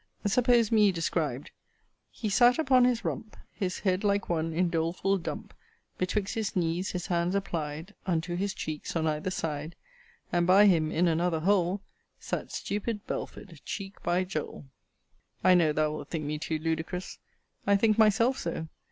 Suppose me described He sat upon his rump, His head like one in doleful dump: Betwixt his knees his hands apply'd Unto his cheeks, on either side: And by him, in another hole, Sat stupid Belford, cheek by jowl. I know thou wilt think me too ludicrous. I think myself so.